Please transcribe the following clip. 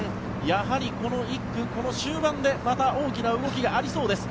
やはりこの１区、終盤でまた大きな動きがありそうです。